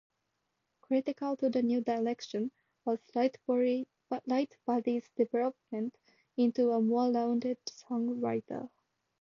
Critical to the new direction was Lightbody's development into a more rounded songwriter.